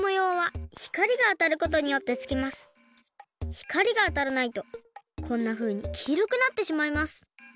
ひかりがあたらないとこんなふうにきいろくなってしまいます。